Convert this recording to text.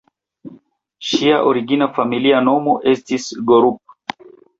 Ŝia origina familia nomo estis "Gorup".